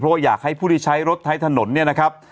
เพราะว่าอยากให้ผู้ที่ใช้รถใช้ถนนเนี่ยนะครับ